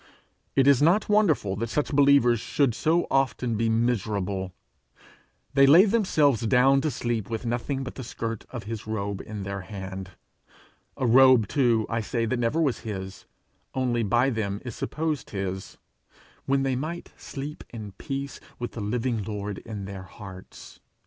It is not wonderful that such believers should so often be miserable; they lay themselves down to sleep with nothing but the skirt of his robe in their hand a robe too, I say, that never was his, only by them is supposed his when they might sleep in peace with the living Lord in their hearts.